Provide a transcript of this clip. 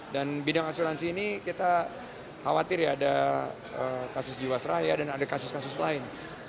dan bidang asuransi ini kita khawatir ya ada kasus jiwasraya dan ada kasus kasus lain